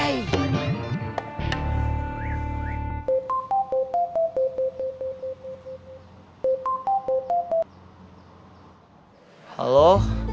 begitu aja